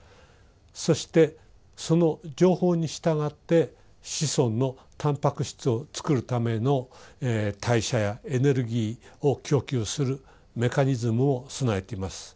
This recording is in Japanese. そしてその情報に従って子孫のたんぱく質をつくるための代謝やエネルギーを供給するメカニズムを備えています。